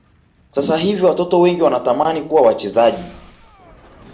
sasa hivi watoto wengi wanatamani kuwa wachezaji